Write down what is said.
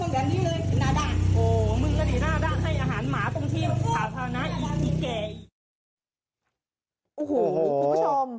โอ้โหคุณผู้ชม